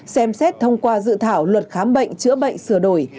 xem xét thông qua dự thảo luật khám bệnh chữa bệnh sửa đổi